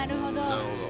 なるほど。